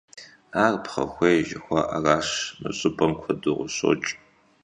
Ар пхъэхуей жыхуаӀэращ, мы щӀыпӀэм куэду къыщокӀ.